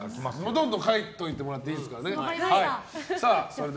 どんどん書いていただいていいですからね。